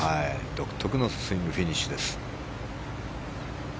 独特のスイングフィニッシュです。